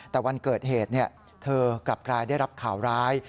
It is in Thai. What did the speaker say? แต่วันเกิดเหตุเธอกลับกลายได้รับข่าวร้าย